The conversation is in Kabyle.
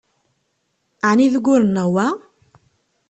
Ɛni d ugur-nneɣ wa?